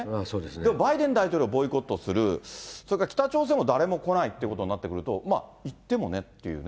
でもバイデン大統領ボイコットする、それから北朝鮮も誰も来ないっていうことになってくると、行ってもねっていうね。